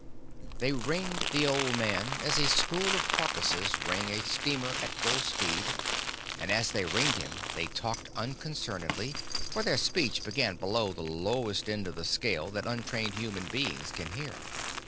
They ringed the old man as a school of porpoises ring a steamer at full speed, and as they ringed him they talked unconcernedly, for their speech began below the lowest end of the scale that untrained human beings can hear.